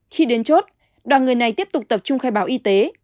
khi đến chốt đoàn người này tiếp tục tập trung khai báo y tế